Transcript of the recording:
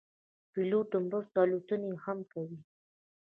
پیلوټ د مرستو الوتنې هم کوي.